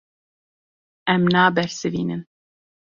Em nabersivînin.